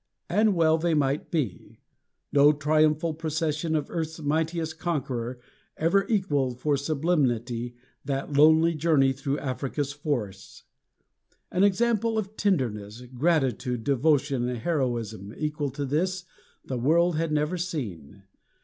And well they might be. No triumphal procession of earth's mightiest conqueror ever equaled for sublimity that lonely journey through Africa's forests. An example of tenderness, gratitude, devotion, heroism, equal to this, the world had never seen.